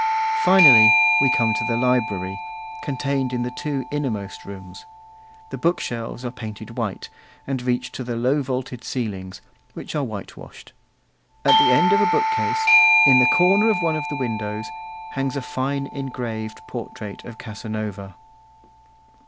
Finally, we come to the library, contained in the two innermost rooms. The book shelves are painted white, and reach to the low vaulted ceilings, which are whitewashed. At the end of a bookcase, in the corner of one of the windows, hangs a fine engraved portrait of Casanova.